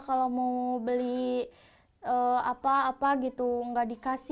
ya kalau mau beli apa tidak diberi uangnya